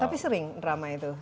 tapi sering drama itu